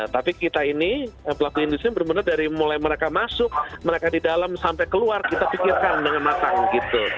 tapi kita ini pelaku industri benar benar dari mulai mereka masuk mereka di dalam sampai keluar kita pikirkan dengan matang gitu